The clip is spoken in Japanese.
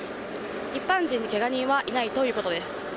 一般人にケガ人はいないということです。